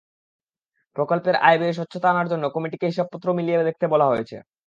প্রকল্পের আয়-ব্যয়ে স্বচ্ছতা আনার জন্য কমিটিকে হিসাবপত্র মিলিয়ে দেখতে বলা হয়েছে।